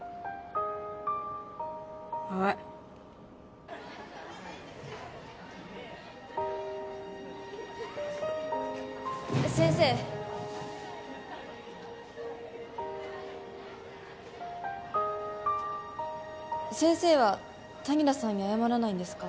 はい先生先生は谷田さんに謝らないんですか？